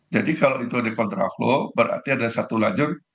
jadi kalau itu ada kontra flow berarti ada satu lajur